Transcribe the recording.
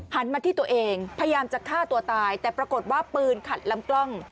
มาที่ตัวเองพยายามจะฆ่าตัวตายแต่ปรากฏว่าปืนขัดลำกล้อง